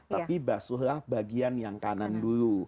tapi basuhlah bagian yang kanan dulu